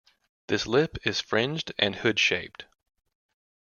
This lip is fringed and hood-shaped.